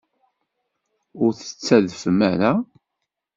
Ur d-tettadfem ara?